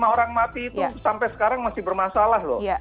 satu ratus tiga puluh lima orang mati itu sampai sekarang masih bermasalah loh